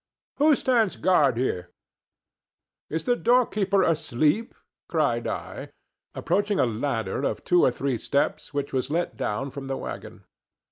Who stands guard here? Is the doorkeeper asleep?" cried I, approaching a ladder of two or three steps which was let down from the wagon.